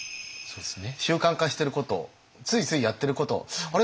習慣化してることついついやってることあれ？